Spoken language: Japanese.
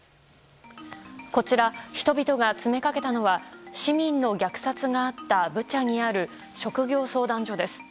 こちら、人々が詰めかけたのは市民の虐殺があったブチャにある職業相談所です。